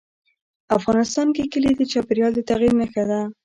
افغانستان کې کلي د چاپېریال د تغیر نښه ده.